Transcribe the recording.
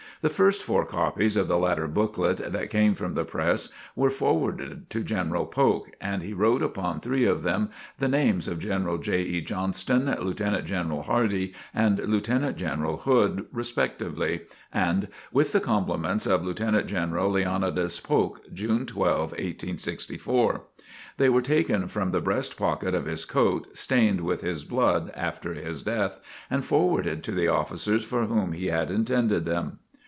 The first four copies of the latter booklet that came from the press were forwarded to General Polk and he wrote upon three of them the names of General J. E. Johnston, Lieutenant General Hardee and Lieutenant General Hood, respectively, and "With the compliments of Lieutenant General Leonidas Polk, June 12, 1864." They were taken from the breastpocket of his coat, stained with his blood, after his death, and forwarded to the officers for whom he had intended them.